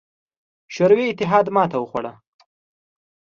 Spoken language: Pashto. شوروي اتحاد ماتې وخوړه.